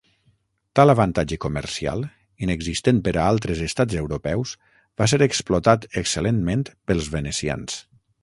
Tal avantatge comercial, inexistent per a altres estats europeus, va ser explotat excel·lentment pels venecians.